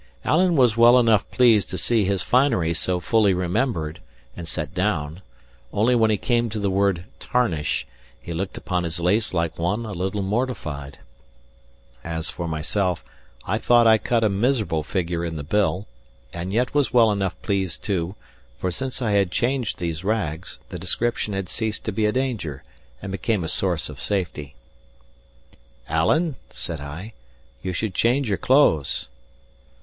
Alan was well enough pleased to see his finery so fully remembered and set down; only when he came to the word tarnish, he looked upon his lace like one a little mortified. As for myself, I thought I cut a miserable figure in the bill; and yet was well enough pleased too, for since I had changed these rags, the description had ceased to be a danger and become a source of safety. "Alan," said I, "you should change your clothes."